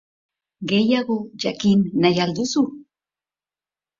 Gehiago jakin nahi al duzu?